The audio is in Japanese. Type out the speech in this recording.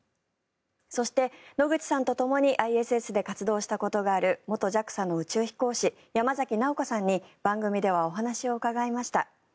そして、野口さんとともにＩＳＳで活動したことがある元ＪＡＸＡの宇宙飛行士山崎直子さんに番組ではお話を伺いました。